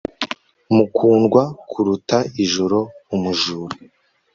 Mukundwa kuruta ijoro umujura